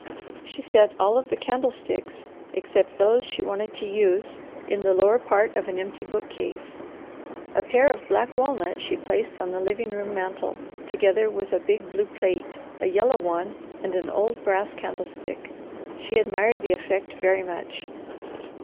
She set all of the candlesticks, except those she wanted to use, in the lower part of an empty bookcase. A pair of black walnut she placed on the living room mantel, together with a big blue plate, a yellow one, and an old brass candlestick. She admired the effect very much.